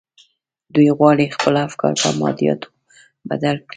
دوی غواړي خپل افکار پر مادياتو بدل کړي.